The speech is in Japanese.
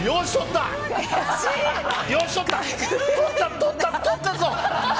とったぞ！